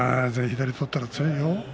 左を取ったら強いよ。